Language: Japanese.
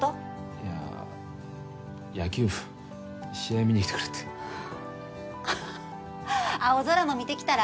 いや野球部試合見に来てくれって青空も見てきたら？